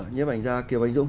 nhóm ảnh gia kiều ánh dũng